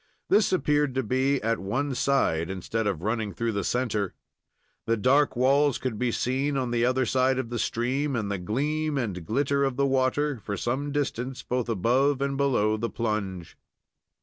This appeared to be at one side, instead of running through the centre. The dark walls could be seen on the other side of the stream, and the gleam and glitter of the water, for some distance both above and below the plunge.